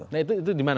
nah itu di mana